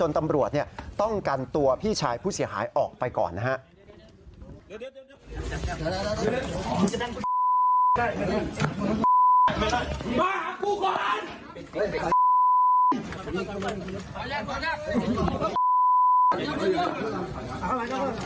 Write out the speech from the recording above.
จนตำรวจต้องกันตัวพี่ชายผู้เสียหายออกไปก่อนนะครับ